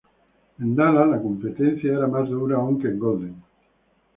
En Dallas la competencia era más dura aún que en Golden.